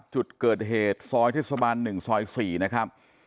จุดเกิดเหตุซอยเทศบาล๑ซอย๔นะครับ